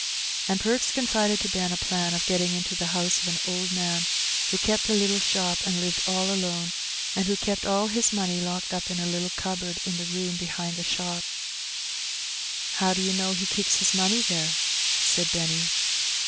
And Perks confided to Ben a plan of getting into the house of an old man who kept a little shop, and lived all alone, and who kept all his money locked up in a little cupboard in the room behind the shop. "How do you know he keeps his money there?" said Benny.